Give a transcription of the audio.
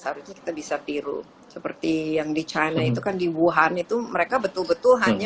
harusnya kita bisa tiru seperti yang di china itu kan di wuhan itu mereka betul betul hanya